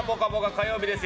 火曜日です。